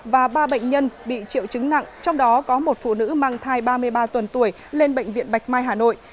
và ba bệnh nhân bị triệu chứng nặng trong đó có một phụ nữ mang thai ba mươi ba tuần tuổi lên bệnh viện bạch mai hà nội